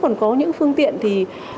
còn có những phương tiện thì